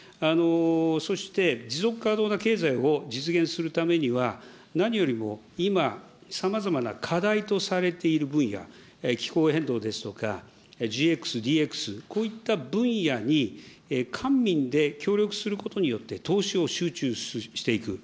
そして、持続可能な経済を実現するためには、何よりも今、さまざまな課題とされている分野、気候変動ですとか、ＧＸ、ＤＸ、こういった分野に、官民で協力することによって投資を集中していく。